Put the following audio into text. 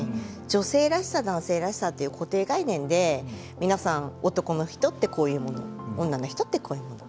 女性らしさ男性らしさっていう固定概念で皆さん男の人ってこういうもの女の人ってこういうもの。